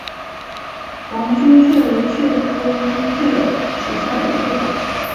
黄胸鹬为鹬科滨鹬属下的一个种。